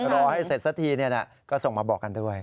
รอให้เสร็จสักทีก็ส่งมาบอกกันด้วย